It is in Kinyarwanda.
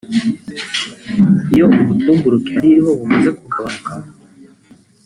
Iyo ubutumburuke yari iriho bumaze kugabanuka